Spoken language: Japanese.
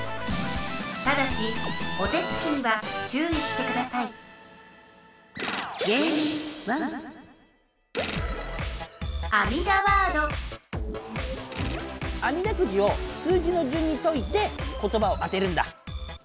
ただしお手つきにはちゅういしてくださいあみだくじを数字のじゅんにといて言葉をあてるんだ！